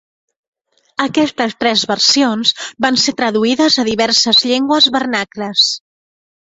Aquestes tres versions van ser traduïdes a diverses llengües vernacles.